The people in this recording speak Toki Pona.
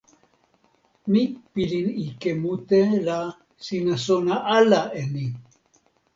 mi pilin ike mute la sina sona ala e ni.